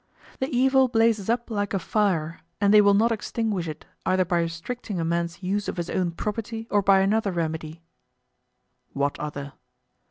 The evil blazes up like a fire; and they will not extinguish it, either by restricting a man's use of his own property, or by another remedy: What other?